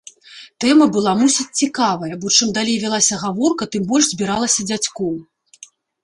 Тэма была мусіць цікавая, бо чым далей вялася гаворка, тым больш збіралася дзядзькоў.